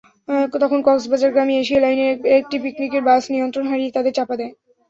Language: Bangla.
তখন কক্সবাজারগামী এশিয়া লাইনের একটি পিকনিকের বাস নিয়ন্ত্রণ হারিয়ে তাদের চাপা দেয়।